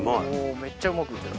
めっちゃうまく打てた。